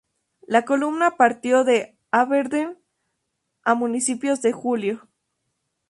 La columna partió de Aberdeen a principios de julio.